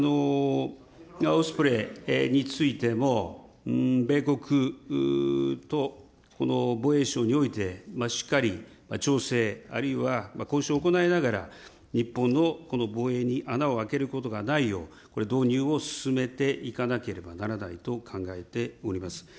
オスプレイについても、米国と防衛省において、しっかり調整、あるいは交渉を行いながら、日本のこの防衛に穴を開けることがないよう、これ、導入を進めていかなければならないと考えております。